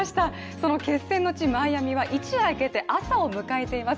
その決戦の地、マイアミは一夜明けて朝を迎えています。